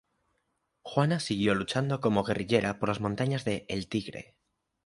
Juana siguió luchando como guerrillera por las montañas de El Tigre.